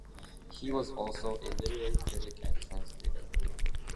He was also a literary critic and translator.